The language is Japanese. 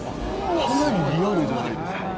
かなりリアルじゃないですか。